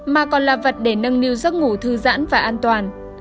mà còn là vật để nâng niu giấc ngủ thư giãn và an toàn